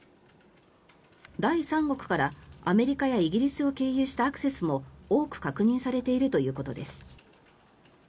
第三国からアメリカやイギリスを経由したアクセスも多く確認されているということです。